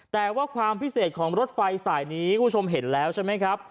แต่ว่าความพิเศษของรถไฟสายนี้คุณผู้ชมเห็นแล้วใช่ไหมครับ